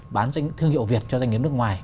bán thương hiệu việt cho doanh nghiệp nước ngoài